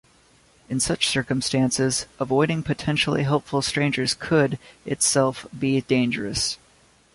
In such circumstances, avoiding potentially helpful strangers could, itself, be dangerous.